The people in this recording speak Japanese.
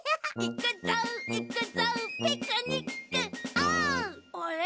あれ？